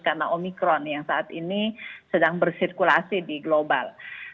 karena omikron yang saat ini sedang bersirkulasi di global